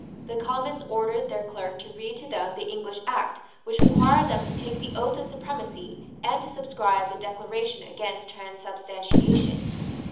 The Commons ordered their clerk to read to them the English Act which required them to take the Oath of Supremacy and to subscribe the Declaration against Transubstantiation.